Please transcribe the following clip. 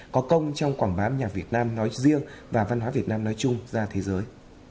có công trong quảng bá âm nhạc việt nam nói riêng và văn hóa việt nam nói chung ra thế giới